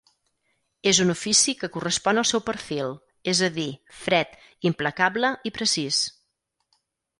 És un ofici que correspon al seu perfil, és a dir fred, implacable i precís.